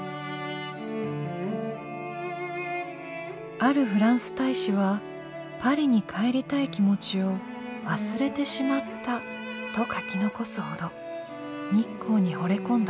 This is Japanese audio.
あるフランス大使はパリに帰りたい気持ちを忘れてしまったと書き残すほど日光にほれ込んだ。